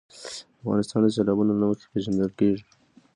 افغانستان د سیلابونه له مخې پېژندل کېږي.